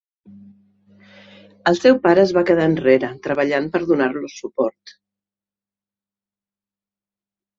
El seu pare es va quedar enrere, treballant per donar-los suport.